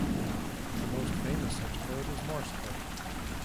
The most famous such code is Morse code.